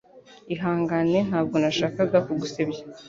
Ihangane, ntabwo nashakaga kugusebya.